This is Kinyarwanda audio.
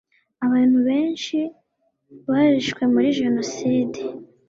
Abantu benshi barishwe muri jenocide